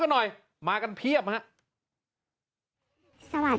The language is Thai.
สวัสดีค่ะทุกคนวันนี้มินไม่ทางไลฟ์นะคะ